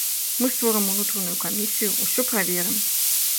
Мы створым унутраную камісію, усё праверым.